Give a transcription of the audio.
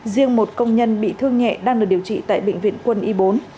riêng một công nhân bị thương nhẹ đang được điều trị tại bệnh viện quân y bốn